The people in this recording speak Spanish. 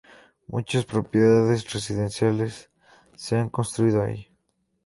Muchas propiedades residenciales, se han construido ahí.